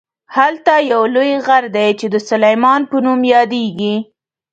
هلته یو لوی غر دی چې د سلیمان په نوم یادیږي.